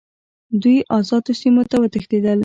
دوی آزادو سیمو ته وتښتېدل.